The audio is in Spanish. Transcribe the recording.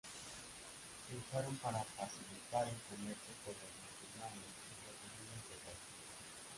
Se usaron para facilitar el comercio con los musulmanes en los dominios de Castilla.